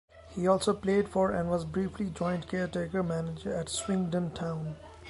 He also played for and was briefly joint caretaker manager at Swindon Town.